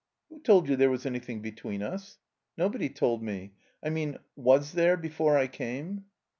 "Who told you there was anjrthing between us?" "Nobody told me. I mean — was there — ^before I came?"